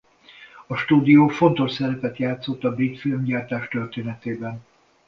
A stúdió fontos szerepet játszott a brit filmgyártás történetében.